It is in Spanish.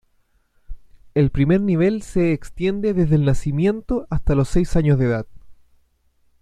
El primer nivel se extiende desde el nacimiento hasta los seis años de edad.